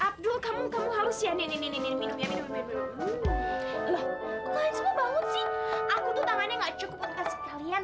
aku tuh tangannya gak cukup untuk kasih kalian